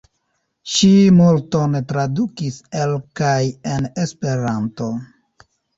Ŝi multon tradukis el kaj en Esperanto.